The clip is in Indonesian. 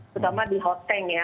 terutama di hoteng ya